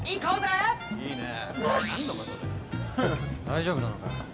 大丈夫なのかよ。